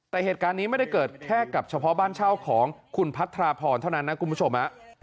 แต่เหตุการณ์นี้ไม่ได้เกิดแค่กับเฉพาะบ้านเช่าของคุณพัทราพรเท่านั้นนะคุณผู้ชม